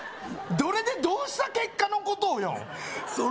どれでどうした結果のことをよん？